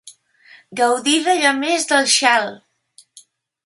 Gaudir d'allò més del xal.